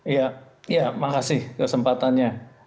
ya ya makasih kesempatannya